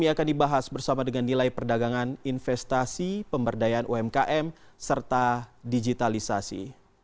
ini akan dibahas bersama dengan nilai perdagangan investasi pemberdayaan umkm serta digitalisasi